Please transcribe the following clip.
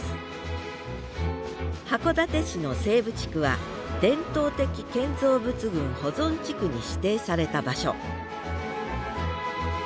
函館市の西部地区は伝統的建造物群保存地区に指定された場所